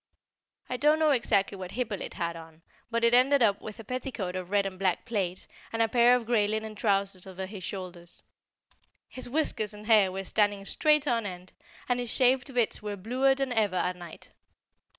I don't know exactly what Hippolyte had on, but it ended up with a petticoat of red and black plaid, and a pair of grey linen trousers over his shoulders; his whiskers and hair were standing straight on end, and his shaved bits were bluer than ever at night.